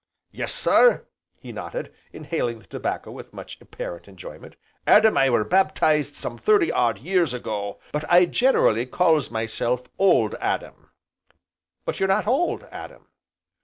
"Yes sir," he nodded, inhaling the tobacco with much apparent enjoyment, "Adam I were baptized some thirty odd year ago, but I generally calls myself 'Old Adam,'" "But you're not old, Adam."